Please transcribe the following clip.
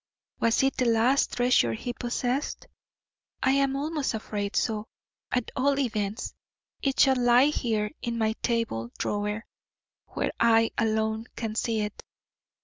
Was it the last treasure he possessed? I am almost afraid so. At all events it shall lie here in my table drawer where I alone can see it.